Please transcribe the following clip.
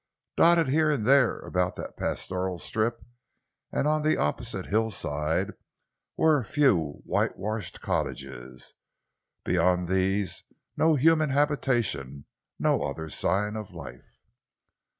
Dotted here and there about that pastoral strip and on the opposite hillside, were a few white washed cottages. Beyond these no human habitation, no other sign of life.